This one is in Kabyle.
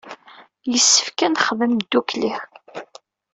Yessefk ad nexdem ddukkli.